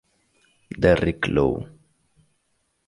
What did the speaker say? Derrick Low